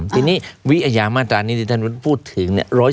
ทีนี้วิอาญามาตรานี้ท่านพุทธพูดถึง